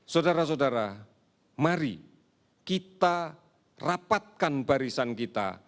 saudara saudara mari kita rapatkan barisan kita